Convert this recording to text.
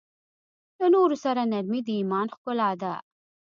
له نورو سره نرمي د ایمان ښکلا ده.